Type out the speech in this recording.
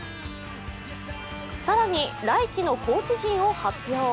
更に来季のコーチ陣を発表。